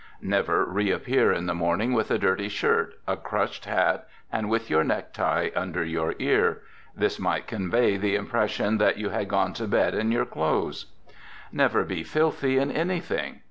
Never re appear in the morning with a dirty shirt, a crushed hat, and with your necktie under your ear. This might convey the impression that you had gone to bed in your clothes. Never be filthy in anything.